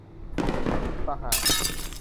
คุณตะหาก